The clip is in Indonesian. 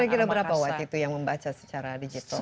kira kira berapa waktu itu yang membaca secara digital